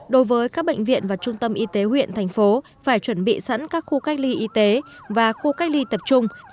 đối với các bệnh viện và trung tâm y tế huyện thành phố phải chuẩn bị sẵn các khu cách ly y tế và khu cách ly tập trung